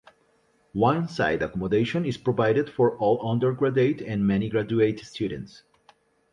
On-site accommodation is provided for all undergraduate and many graduate students.